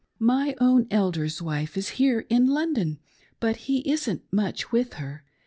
My own elder's wife is here in London, but he isn't much with her.